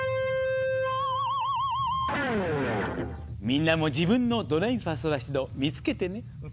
みんなも自分の「ドレミファソラシド」見つけてね。